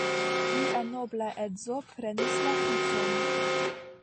Mia nobla edzo prenis la krucon.